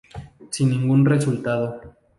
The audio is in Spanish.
Sin ningún resultado.